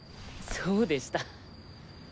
そうでした。